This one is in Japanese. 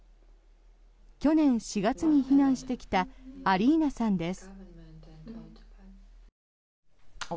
去年４月に避難してきたアリーナさんです。